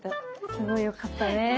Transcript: すごい良かったね。